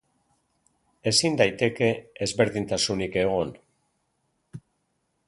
Ezin daiteke ezberdintasunik egon.